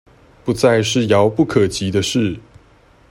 不再是遙不可及的事